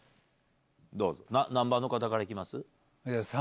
何番の方から行きます？